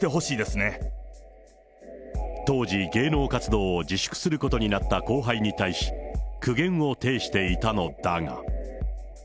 当時、芸能活動を自粛することになった後輩に対し、苦言を呈していたのだが。